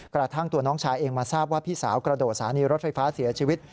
กระทั่งตัวน้องชายเองมาทราบว่าพี่สาวกระโดดสถานีรถไฟฟ้าเสียชีวิต